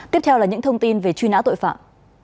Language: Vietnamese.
tiếp theo là những thông tin về truy nã tội phạm